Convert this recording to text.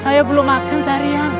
saya belum makan seharian